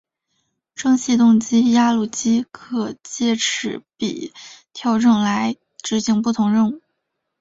蒸气动力压路机可藉齿比调整来执行不同任务。